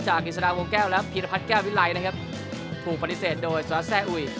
จากอินสนาวงแก้วแล้พินภัฏแก้ววินไลน์นนะครับถูกปฏิเสธโดยสวัสดีแหว้สระแซ่อุ่ย